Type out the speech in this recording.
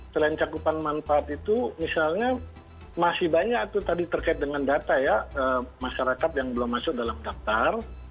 selain cakupan manfaat itu misalnya masih banyak itu tadi terkait dengan data ya masyarakat yang belum masuk dalam daftar